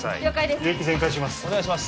輸液全開します